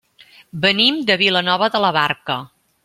Venim de Vilanova de la Barca.